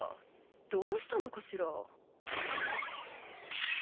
どうしたのかしら。